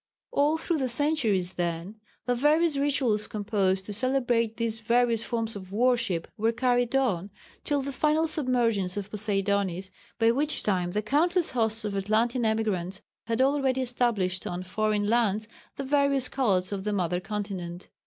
All through the centuries then the various rituals composed to celebrate these various forms of worship were carried on, till the final submergence of Poseidonis, by which time the countless hosts of Atlantean emigrants had already established on foreign lands the various cults of the mother continent.